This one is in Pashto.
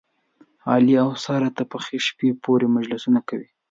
علي او ساره تر پخې شپې پورې مجلسونه کوي.